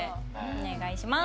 お願いします！